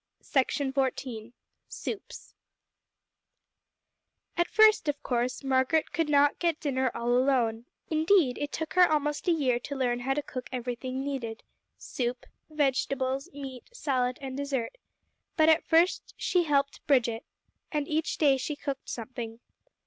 THE THINGS MARGARET MADE FOR DINNER At first, of course, Margaret could not get dinner all alone; indeed, it took her almost a year to learn how to cook everything needed, soup, vegetables, meat, salad, and dessert; but at first she helped Bridget, and each day she cooked something.